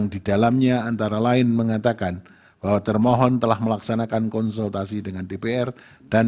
dan terima kasih pertolongan kalian